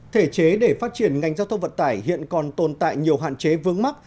thể chế để phát triển ngành giao thông vận tải hiện còn tồn tại nhiều hạn chế vương mắc